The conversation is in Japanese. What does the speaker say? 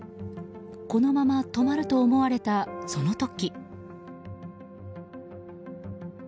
このまま止まると思われたその時。